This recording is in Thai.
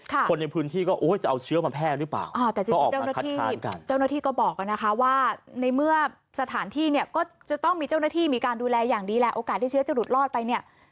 คนในพื้นที่ก็โอ้ยจะเอาเชื้อมาแพร่หรือเปล่าอ่าแต่จริงเจ้าหน้าที่เจ้าหน้าที่ก็บอกกันนะคะว่าในเมื่อสถานที่เนี่ยก็จะต้องมีเจ้าหน้าที่มีการดูแลอย่างดีแหละโอกาสที่เชื้อจะหลุดรอดไปเนี่ย